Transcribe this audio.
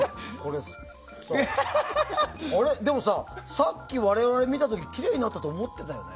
でもさ、さっき我々が見た時きれいになったと思ってたよね。